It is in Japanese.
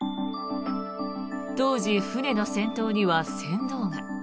当時、船の先頭には船頭が。